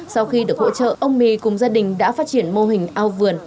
sau khi được hỗ trợ ông mì cùng gia đình đã phát triển mô hình ao vườn